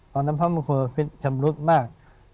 ตอนนั้นพระมงคลปภิษฐ์ชำนุกมาก